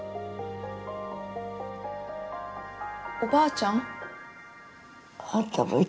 ばあちゃん